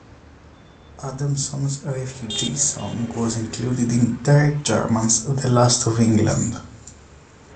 Adamson's "Refugee Song" was included in Derek Jarman's "The Last of England".